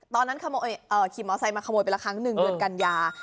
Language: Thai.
ตอนนั้นขี่มอไซค์มาขโมยไปละครั้งหนึ่งเดือนกันยา